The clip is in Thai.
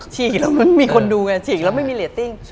ฉีกแล้วมันมีคนดูไงฉีกแล้วไม่มีเรตติ้ง